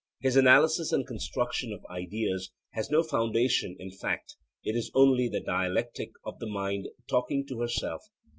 His analysis and construction of ideas has no foundation in fact; it is only the dialectic of the mind 'talking to herself.'